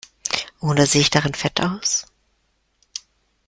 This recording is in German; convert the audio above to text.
Oder sehe ich darin fett aus?